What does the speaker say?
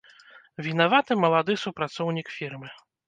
Вінаваты малады супрацоўнік фірмы.